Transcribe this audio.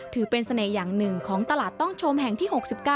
ถือเป็นเสน่ห์อย่างหนึ่งของตลาดต้องชมแห่งที่๖๙